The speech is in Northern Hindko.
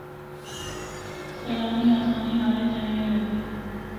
سیلانی آسانی نال اِتھا اینڑ لگے۔